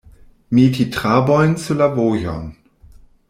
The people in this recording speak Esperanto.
Meti trabojn sur la vojon.